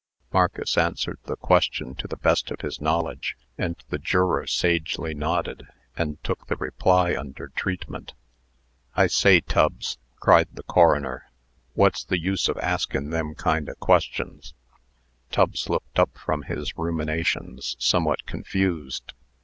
Marcus answered the question to the best of his knowledge, and the juror sagely nodded, and took the reply under treatment. "I say, Tubbs," cried the coroner, "wot's the use of askin' them kind o' questions?" Tubbs looked up from his ruminations, somewhat confused.